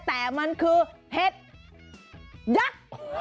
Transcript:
แต่มันคือเห็ดยักษ์